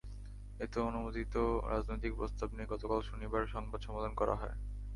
এতে অনুমোদিত রাজনৈতিক প্রস্তাব নিয়ে গতকাল শনিবার সংবাদ সম্মেলন করা হয়।